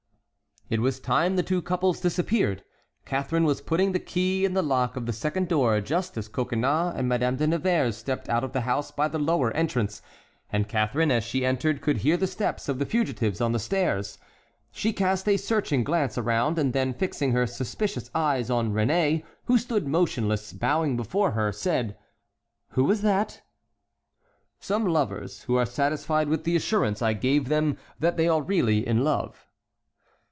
It was time the two couples disappeared! Catharine was putting the key in the lock of the second door just as Coconnas and Madame de Nevers stepped out of the house by the lower entrance, and Catharine as she entered could hear the steps of the fugitives on the stairs. She cast a searching glance around, and then fixing her suspicious eyes on Réné, who stood motionless, bowing before her, said: "Who was that?" "Some lovers, who are satisfied with the assurance I gave them that they are really in love."